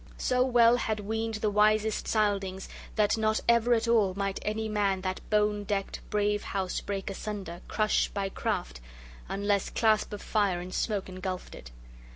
So well had weened the wisest Scyldings that not ever at all might any man that bone decked, brave house break asunder, crush by craft, unless clasp of fire in smoke engulfed it.